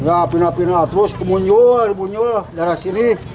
nggak pina pina terus kemunjul kemunjul darah sini